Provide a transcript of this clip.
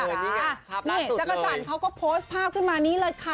เออนี่ค่ะภาพล่าสุดเลยนี่จักรจันทร์เขาก็โพสต์ภาพขึ้นมานี่เลยค่ะ